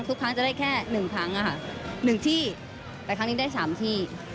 ทุกครั้งจะได้แค่๑ครั้ง๑ที่แต่ครั้งนี้ได้๓ที่